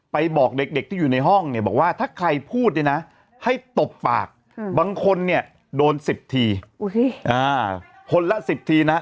บอกเด็กที่อยู่ในห้องเนี่ยบอกว่าถ้าใครพูดเนี่ยนะให้ตบปากบางคนเนี่ยโดน๑๐ทีคนละ๑๐ทีนะ